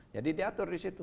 jadi diatur disitu